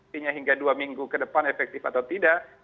sehingga hingga dua minggu ke depan efektif atau tidak